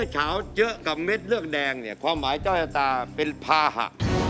การแรงเนี่ยความหมายเจ้าหยัตราเป็นภาหะ